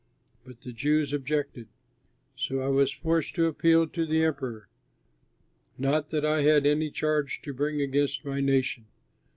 But the Jews objected; so I was forced to appeal to the Emperor not that I had any charge to bring against my nation.